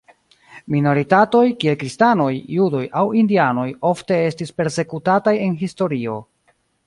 Minoritatoj, kiel kristanoj, judoj aŭ indianoj ofte estis persekutataj en historio.